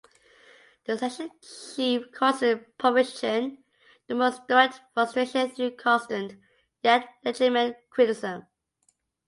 The Section Chief causes Poprishchin the most direct frustration through constant, yet legitimate criticism.